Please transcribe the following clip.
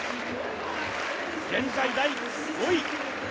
現在、第５位。